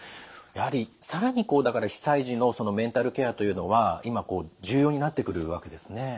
やはり更にこうだから被災時のメンタルケアというのは今こう重要になってくるわけですね。